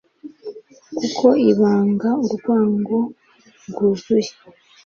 kuko ibanga urwango rwuzuye